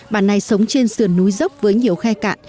bản này sống trên sườn núi dốc với nhiều khe cạn